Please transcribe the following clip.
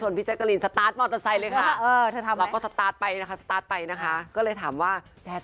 มีโอกาสคุยกับเจอ